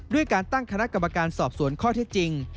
ด้วยการตั้งคณะกรรมการสอบสวนข้อเท็จจริง